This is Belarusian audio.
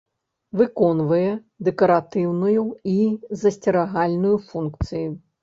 Выконвае дэкаратыўную і засцерагальную функцыі.